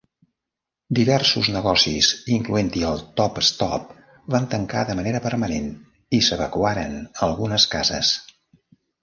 Diversos negocis, incloent-hi el Top Stop, van tancar de manera permanent, i s'evacuaren algunes cases.